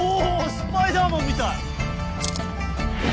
スパイダーマンみたい。